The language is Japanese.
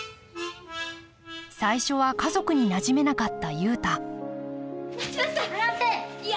最初は家族になじめなかった雄太待ちなさい！